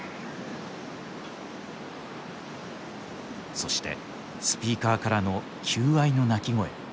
そしてスピーカーからの求愛の鳴き声。